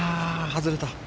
外れた。